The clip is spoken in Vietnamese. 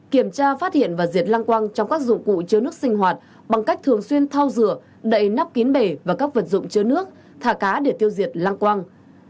kiểm tra phát hiện và diệt lăng quăng trong các dụng cụ chứa nước sinh hoạt bằng cách thường xuyên thao rửa đậy nắp kín bể và các vật dụng chứa nước thả cá để tiêu diệt lăng quang